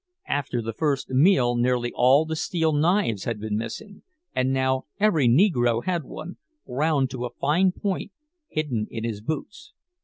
After the first meal nearly all the steel knives had been missing, and now every Negro had one, ground to a fine point, hidden in his boots.